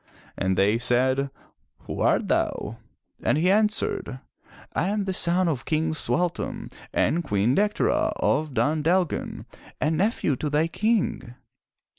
'' And they said, "Who art thou?" And he answered, " I am the son of King Sualtam and Queen Dectera of Dun Dalgan and nephew to thy King."